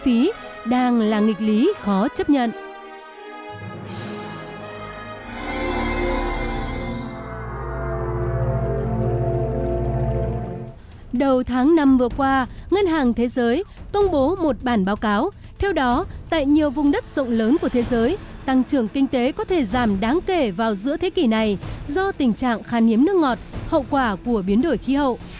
hàng năm vừa qua ngân hàng thế giới công bố một bản báo cáo theo đó tại nhiều vùng đất rộng lớn của thế giới tăng trưởng kinh tế có thể giảm đáng kể vào giữa thế kỷ này do tình trạng khan hiếm nước ngọt hậu quả của biến đổi khí hậu